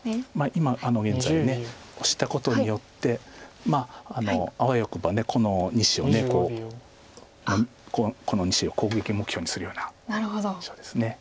今現在オシたことによってあわよくばこの２子を攻撃目標にするような印象です。